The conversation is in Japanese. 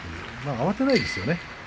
慌てないですよね。